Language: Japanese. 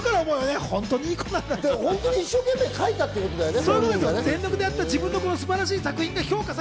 本当に一生懸命書いたっていうことだよね。